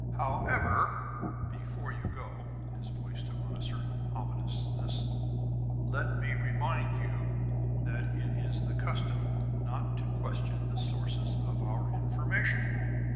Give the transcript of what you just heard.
"However, before you go" his voice took on a certain ominousness "let me remind you that it is the custom not to question the sources of our information.